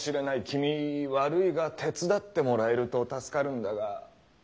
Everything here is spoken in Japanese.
君悪いが手伝ってもらえると助かるんだが。